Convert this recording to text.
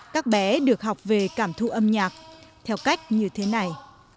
các bé được học về cảm thu âm nhạc theo cách như thế này